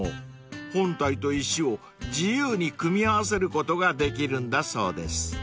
［本体と石を自由に組み合わせることができるんだそうです］